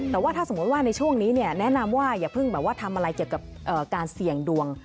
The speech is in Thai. แต่ว่าถ้าสมมุติว่าในช่วงนี้เนี่ยแนะนำว่าอย่าเพิ่งแบบว่าทำอะไรเกี่ยวกับการเสี่ยงดวง